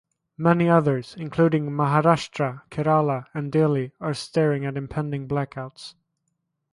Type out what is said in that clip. Many others, including Maharashtra, Kerala and Delhi, are staring at impending blackouts.